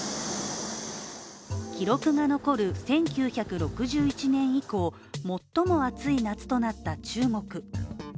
記録が残る１９６１年以降、最も暑い夏となった中国。